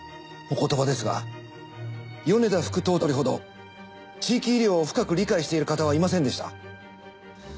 お言葉ですが米田副頭取ほど地域医療を深く理解している方はいませんでした。